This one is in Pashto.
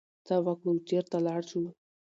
څه وکړو، چرته لاړ شو؟